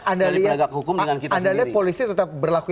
anda lihat polisi tetap berlaku